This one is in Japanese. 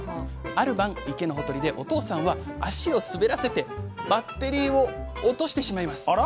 ある晩池のほとりでお父さんは足を滑らせてバッテリーを落としてしまいます。